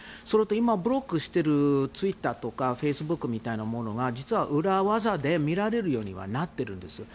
それから今ブロックしているツイッターとかフェイスブックみたいなものが実は裏技で見られるようになっているんです。